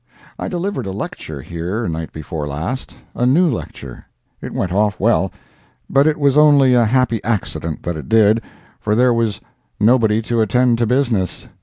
I delivered a lecture here night before last—a new lecture. It went off well, but it was only a happy accident that it did, for there was nobody to attend to business.